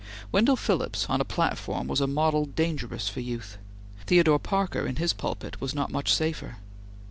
Wendell Phillips on a platform was a model dangerous for youth. Theodore Parker in his pulpit was not much safer.